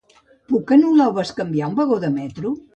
Puc anul·lar o bescanviar un vagó de metro?